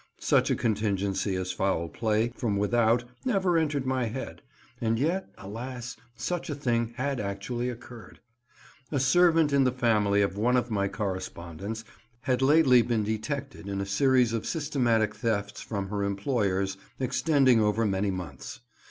Such a contingency as foul play from without never entered my head, and yet, alas, such a thing had actually occurred. A servant in the family of one of my correspondents had lately been detected in a series of systematic thefts from her employers, extending over many months.